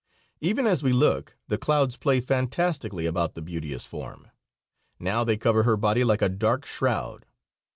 Even as we look the clouds play fantastically about the beauteous form. Now they cover her body like a dark shroud.